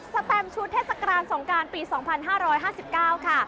แตมชุดเทศกาลสงการปี๒๕๕๙ค่ะ